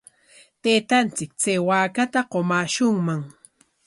Taytanchik chay waakata qumaashunman.